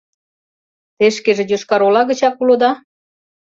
Те шкеже Йошкар-Ола гычак улыда?